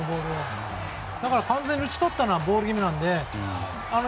だから完全に打ち取ったのはボール気味なんですね。